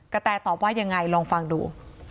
แตตอบว่ายังไงลองฟังดู